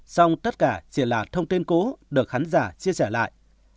xong tất cả chỉ là thông tin cũ được khán giả chia sẻ lại